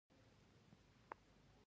کلمه که نادره شي مصنوعي ښکاري.